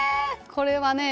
これはね